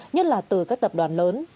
nhất là từ các tập đoàn lớn